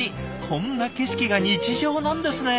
こんな景色が日常なんですね。